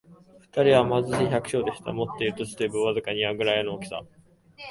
二人は貧しい百姓でした。持っている土地といえば、わずかに庭ぐらいの大きさのものでした。